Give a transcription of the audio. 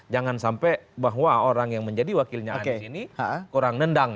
jangan sampai bahwa orang yang menjadi wakilnya anies ini kurang nendang